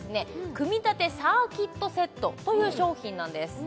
組立てサーキットセットという商品なんです